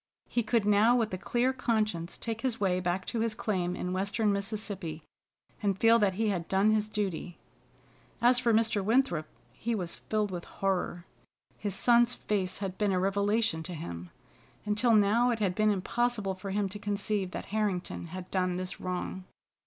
He could now with a clear conscience take his way back to his claim in western Mississippi, and feel that he had done his duty. As for Mr. Winthrop, he was filled with horror. His son's face had been a revelation to him. Until now it had been impossible for him to conceive that Harrington had done this wrong.